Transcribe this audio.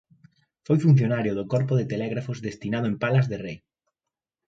Foi funcionario do Corpo de telégrafos destinado en Palas de Rei.